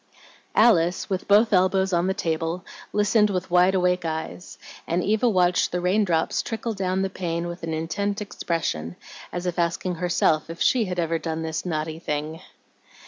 Alice, with both elbows on the table, listened with wide awake eyes, and Eva watched the raindrops trickle clown the pane with an intent expression, as if asking herself if she had ever done this naughty thing.